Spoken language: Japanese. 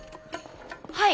はい。